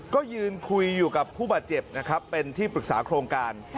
ก็ยืนคุยอยู่กับผู้บาดเจ็บนะครับเป็นที่ปรึกษาโครงการ